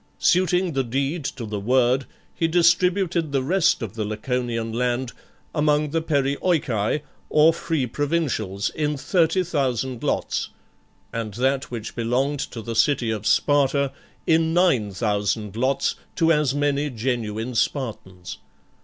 Suiting the deed to the word, he distributed the rest of the Laconian land among the " perioeci," or free provincials, in thirty thousand lots, and that which belonged to the city of Sparta, in nine thousand lots, to as many genuine Spartans.